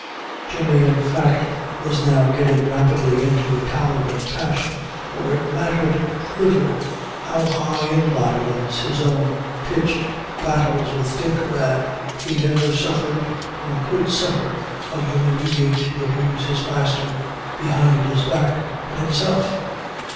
Jemmy, in fact, was now getting rapidly into a towering passion, for it mattered little how high in violence his own pitched battles with Dick ran, he never suffered, nor could suffer a human being to abuse his master behind his back, but himself.